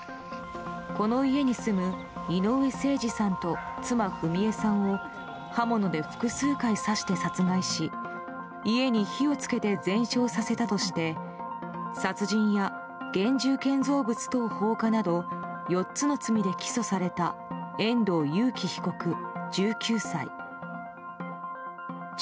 この家に住む井上盛司さんと妻・章恵さんを刃物で複数回刺して殺害し家に火を付けて全焼させたとして殺人や現住建造物等放火など４つの罪で起訴された遠藤裕喜被告、１９歳。